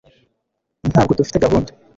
ntabwo dufite gahunda